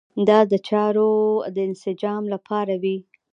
دا د چارو د انسجام لپاره وي.